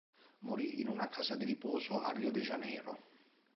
Morì in una casa di riposo a Rio de Janeiro.